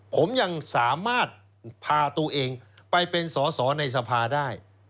ผมยังสามารถพาตัวเองไปเป็นสอสอในสภาได้